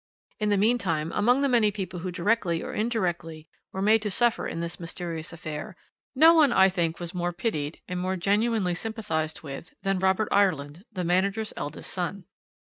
"In the meantime, among the many people who directly or indirectly were made to suffer in this mysterious affair, no one, I think, was more pitied, and more genuinely sympathised with, than Robert Ireland, the manager's eldest son.